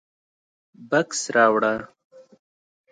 _بکس راوړه.